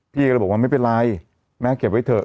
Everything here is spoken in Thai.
พี่ก็เลยบอกว่าไม่เป็นไรแม่เก็บไว้เถอะ